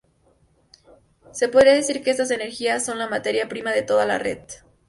Se podría decir que estas energías son la materia prima de toda la red.